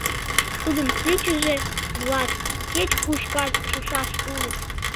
— Тудын пӱчыжӧ-влак кеч-кушкат шушаш улыт.